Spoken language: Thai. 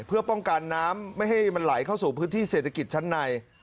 เพื่อป้องกันน้ำไม่ให้มันไหลเข้าสู่พื้นที่เศรษฐกิจชั้นใน